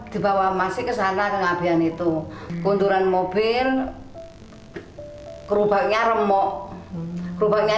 dibawa masih kesana ke ngabian itu kunturan mobil kerubaknya remok kerubaknya